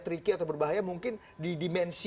tricky atau berbahaya mungkin di dimensi